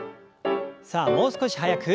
さあもう少し速く。